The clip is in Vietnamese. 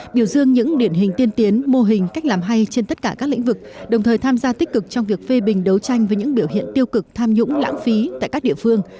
biểu dương những điển hình tiên tiến mô hình cách làm hay trên tất cả các lĩnh vực đồng thời tham gia tích cực trong việc phê bình đấu tranh với những biểu hiện tiêu cực tham nhũng lãng phí tại các địa phương